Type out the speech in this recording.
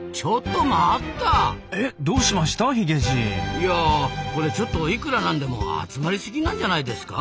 いやあこれちょっといくらなんでも集まりすぎなんじゃないですか？